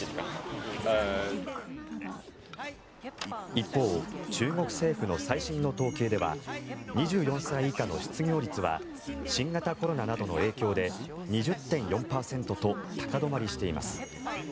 一方、中国政府の最新の統計では２４歳以下の失業率は新型コロナなどの影響で２０．４％と高止まりしています。